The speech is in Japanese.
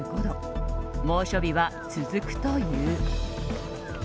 猛暑日は続くという。